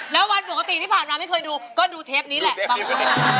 แล้ววันปกติที่ผ่านมาไม่เคยดูก็ดูเทปนี้แหละบางคน